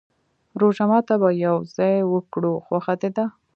روژه ماته به يو ځای وکرو، خوښه دې ده؟